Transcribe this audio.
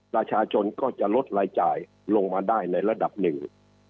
ประชาชนก็จะลดรายจ่ายลงมาได้ในระดับหนึ่ง